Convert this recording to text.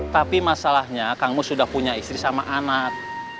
tapi masalahnya kang mus sudah punya istri sama anak